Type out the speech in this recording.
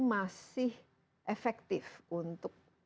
masih efektif untuk